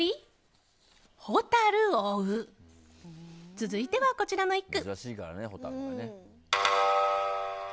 続いては、こちらの１句。